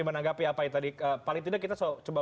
menanggapi apa yang tadi paling tidak kita coba